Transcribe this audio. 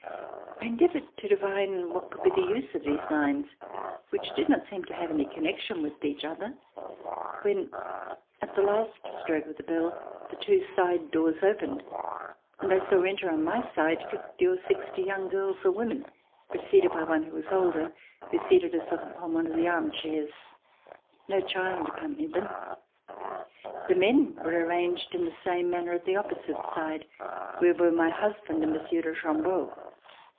I en deavored to divine what could be the use of these lines, which did not seem to have any connection RECOLLECTIONS OF THE REVOLUTION with each other, when at the last stroke of the bell the two side doors opened, and I saw enter on my side fifty or sixty young girls or women, preceded by one who was older who seated herself upon one of the arm chairs. No child accompanied them. The men were arranged in the same manner at the opposite side, where were my husband and Mon sieur de Chambeau.